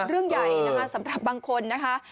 เรื่องใหญ่นะคะสำหรับบางคนนะคะ